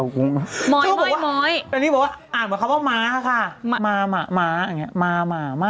ให้ว่าชะมอยตา